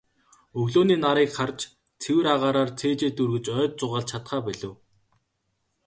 Өглөөний нарыг харж, цэвэр агаараар цээжээ дүүргэж, ойд зугаалж чадахаа болив.